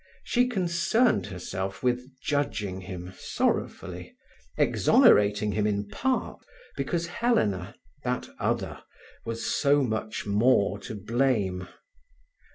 She concerned herself with judging him sorrowfully, exonerating him in part because Helena, that other, was so much more to blame.